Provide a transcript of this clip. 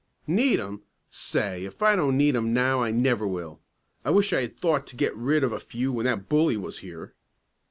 "Need 'em? Say if I don't need 'em now I never will. I wish I had thought to get rid of a few when that bully was here."